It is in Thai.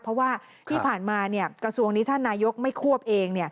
เพราะว่าที่ผ่านมากระทรวงนี้ท่านนายกไม่ควบเอง